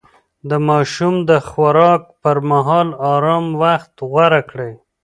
د ماشوم د خوراک پر مهال ارام وخت غوره کړئ.